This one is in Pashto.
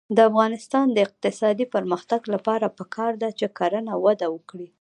د افغانستان د اقتصادي پرمختګ لپاره پکار ده چې کرنه وده وکړي.